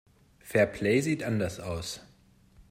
Fairplay sieht anders aus.